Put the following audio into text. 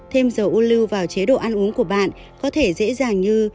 thêm dầu u lưu vào chế độ ăn uống của bạn có thể dễ dàng như